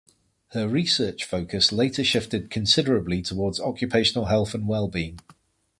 Her research focus later shifted considerably towards occupational health and wellbeing.